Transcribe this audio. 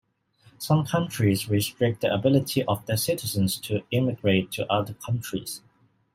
Some countries restrict the ability of their citizens to emigrate to other countries.